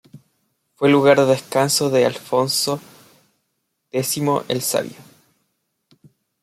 Fue lugar de descanso de Alfonso X el Sabio.